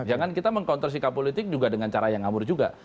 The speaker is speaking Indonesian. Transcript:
jangan kita meng counter sikap politik juga dengan cara yang ngawur juga